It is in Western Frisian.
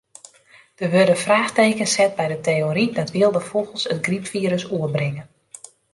Der wurde fraachtekens set by de teory dat wylde fûgels it grypfirus oerbringe.